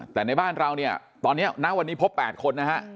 แต่ในบ้านเราตอนนี้ณวันนี้พบ๘คน